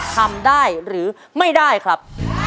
ทำได้หรือไม่ได้ครับ